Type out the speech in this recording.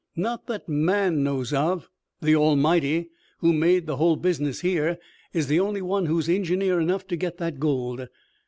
"Not that man knows of. The Almighty, who made the whole business here, is the only one who is engineer enough to get that gold.